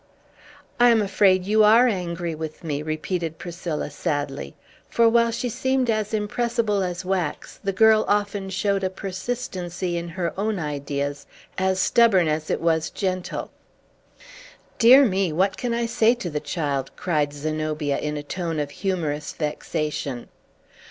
"I am afraid you are angry with me!" repeated Priscilla sadly; for, while she seemed as impressible as wax, the girl often showed a persistency in her own ideas as stubborn as it was gentle. "Dear me, what can I say to the child!" cried Zenobia in a tone of humorous vexation.